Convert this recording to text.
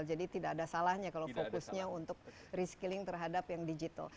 jadi tidak ada salahnya kalau fokusnya untuk reskilling terhadap yang digital